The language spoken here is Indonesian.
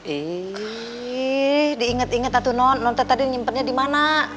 eh diinget inget lah tuh non non tadi nyimpennya dimana